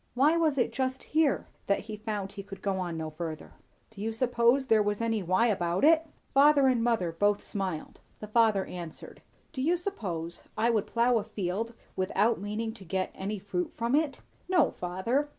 why was it just here that he found he could go no further?" "Do you suppose there was any 'why' about it?" Father and mother both smiled; the father answered. "Do you suppose I would plough a field, without meaning to get any fruit from it." "No, father."